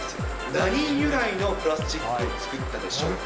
何由来のプラスチックを作ったでしょうか。